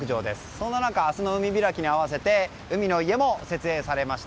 そんな中明日の海開きに合わせて海の家も設営されました。